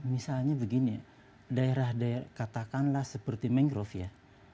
misalnya begini daerah daerah katakanlah seperti mangrove ya